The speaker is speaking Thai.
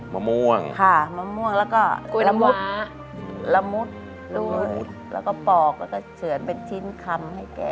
มะม่วงค่ะมะม่วงแล้วก็กล้วยละม้าละมุดรูดแล้วก็ปอกแล้วก็เฉือนเป็นชิ้นคำให้แก